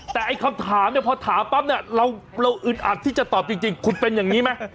แต่ไอ้คำถามเนี่ยพอถามปั๊บเนี่ยเราอึดอัดที่จะตอบจริงคุณเป็นอย่างนี้ไหม